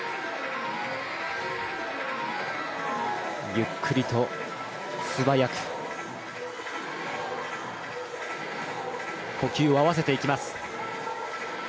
ゆっくりと素早く、呼吸を合わせていきます。